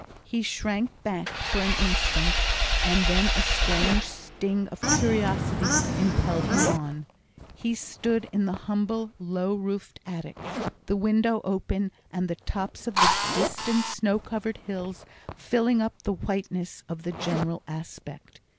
He shrank back for an instant, and then a strange sting of curiosity impelled him on. He stood in the humble low roofed attic, the window open, and the tops of the distant snow covered hills filling up the whiteness of the general aspect.